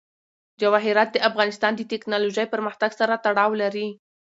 جواهرات د افغانستان د تکنالوژۍ پرمختګ سره تړاو لري.